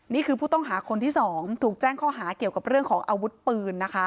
นี่คือผู้ต้องหาคนที่๒ถูกแจ้งข้อหาเกี่ยวกับเรื่องของอาวุธปืนนะคะ